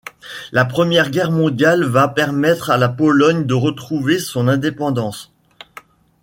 La première Guerre mondiale va permettre à la Pologne de retrouver son indépendance.